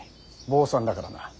坊さんだからな。